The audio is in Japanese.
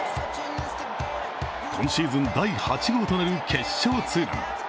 今シーズン第８号となる決勝ツーラン。